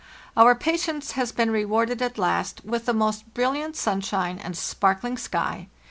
Our patience has been rewarded at last with the most brilliant sunshine and sparkling sky.